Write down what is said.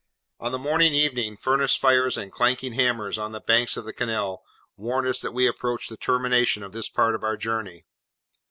On the Monday evening, furnace fires and clanking hammers on the banks of the canal, warned us that we approached the termination of this part of our journey.